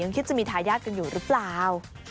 คิดจะมีทายาทกันอยู่หรือเปล่า